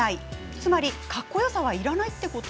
つまり、かっこよさはいらないっていうこと？